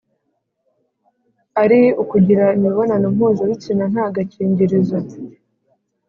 ari ukugira imibonano mpuzabitsina nta agakingirizo;